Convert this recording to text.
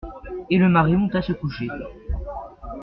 Et le mari monta se coucher.